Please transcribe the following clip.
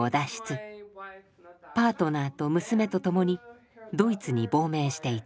パートナーと娘と共にドイツに亡命していた。